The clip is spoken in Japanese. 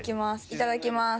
いただきます。